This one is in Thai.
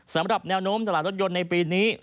สำหรับแนวโน้มตลาดรถยนต์ในปีนี้